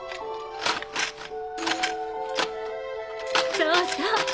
そうそう！